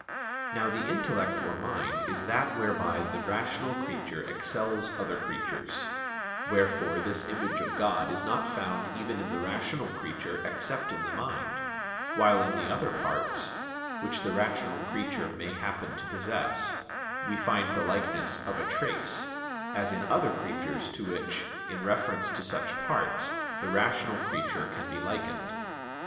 Now the intellect or mind is that whereby the rational creature excels other creatures; wherefore this image of God is not found even in the rational creature except in the mind; while in the other parts, which the rational creature may happen to possess, we find the likeness of a "trace," as in other creatures to which, in reference to such parts, the rational creature can be likened.